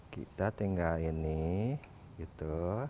kita tinggal ini gitu